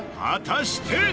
果たして。